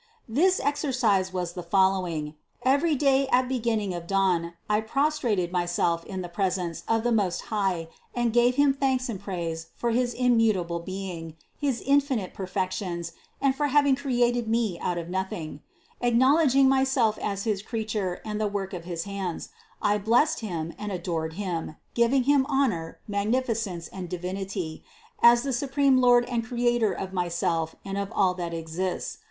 This exercise was the following: every day at beginning of dawn, I prostrated myself in the presence of the Most High and gave Him thanks and praise for his immutable Being, his infinite perfections, and for having created me out of nothing; acknowledging myself as his creature and the work of his hands, I blessed Him and adored Him, giving Him honor, magnificence and Divinity, as the supreme Lord and Creator of myself and of all that exists.